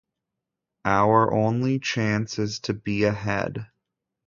Our only chance is to be ahead.